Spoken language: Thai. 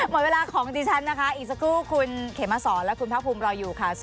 หมดเวลาของดิฉันนะคะอีกสักครู่คุณเขมสอนและคุณภาคภูมิรออยู่ค่ะ